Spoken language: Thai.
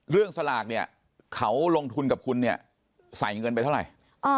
สลากเนี่ยเขาลงทุนกับคุณเนี่ยใส่เงินไปเท่าไหร่